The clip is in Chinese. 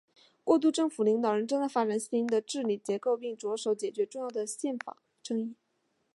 过渡政府领导人正在发展新的治理结构并着手解决重要的宪法争议。